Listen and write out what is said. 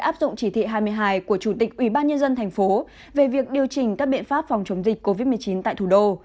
áp dụng chỉ thị hai mươi hai của chủ tịch ủy ban nhân dân thành phố về việc điều chỉnh các biện pháp phòng chống dịch covid một mươi chín tại thủ đô